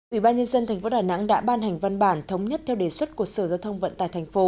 ủy ban nhân dân tp đà nẵng đã ban hành văn bản thống nhất theo đề xuất của sở giao thông vận tải thành phố